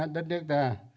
đất nước ta